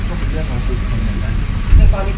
ก็เฉยเฉยว่าเราจับก็เชื่อเหนะเหรียญ